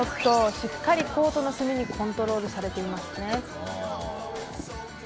しっかりコートの隅にコントロールされていますね。